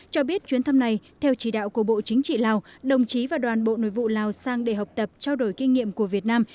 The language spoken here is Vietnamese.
cho biết chuyến thăm này theo chỉ đạo của bộ chính trị lào đồng chí và đoàn bộ nội vụ lào sang để học tập trao đổi kinh nghiệm của việt nam